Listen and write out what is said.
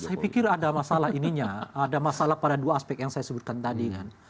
saya pikir ada masalah ininya ada masalah pada dua aspek yang saya sebutkan tadi kan